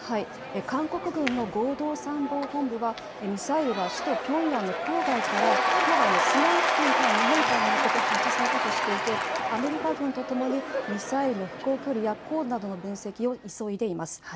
韓国軍の合同参謀本部はミサイルは首都ピョンヤンの郊外のスナン付近から日本海に向けて発射されたとしていてアメリカ軍とともにミサイルの飛行距離や高度などの分析を急いでいます。